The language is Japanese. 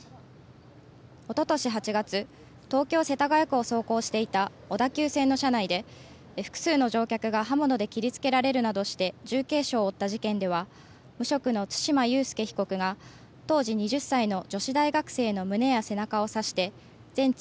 おととし８月、東京世田谷区を走行していた小田急線の車内で複数の乗客が刃物で切りつけられるなどして重軽傷を負った事件では無職の對馬悠介被告が当時２０歳の女子大学生の胸や背中を刺して全治